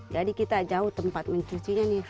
jadi kita jauh tempat mencuci airnya